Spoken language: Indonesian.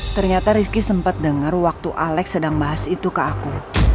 ternyata rizky sempat dengar waktu alex sedang bahas itu ke aku